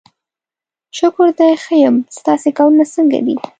شکر دی ښه یم، ستاسې کارونه څنګه دي؟